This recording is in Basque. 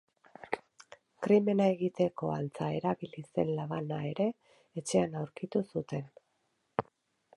Krimena egiteko antza erabili zen labana ere etxean aurkitu zuten.